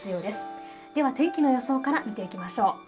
では天気の予想から見ていきましょう。